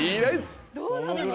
どうなるの？